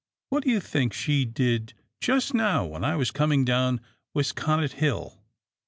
What do you think she did just now when I was coming down Wlsconnet Hill?"